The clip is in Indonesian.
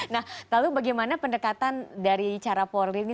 nah lalu bagaimana pendekatan dari cara pohon terkenal ini